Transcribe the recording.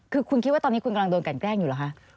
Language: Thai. คือคุณคิดว่าตอนนี้คุณกำลังโดนกันแกล้งอยู่เหรอคะ